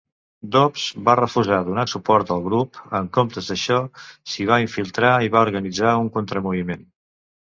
Dobbs va refusar donar suport al grup; en comptes d'això, s'hi va infiltrar i va organitzar un contramoviment.